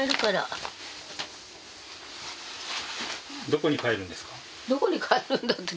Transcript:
どこに帰るんだって。